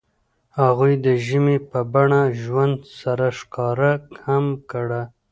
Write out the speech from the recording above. هغوی د ژمنې په بڼه ژوند سره ښکاره هم کړه.